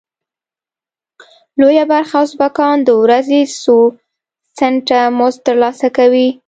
لویه برخه ازبکان د ورځې څو سنټه مزد تر لاسه کوي.